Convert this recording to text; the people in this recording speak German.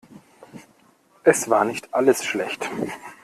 Es war nicht alles schlecht.